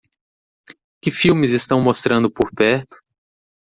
Que filmes estão mostrando por perto